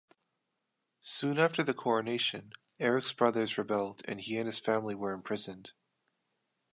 Soon after the coronation, Eric's brothers rebelled and he and his family were imprisoned.